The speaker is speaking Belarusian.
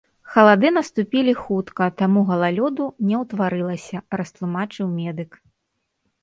Халады наступілі хутка, таму галалёду не ўтварылася, растлумачыў медык.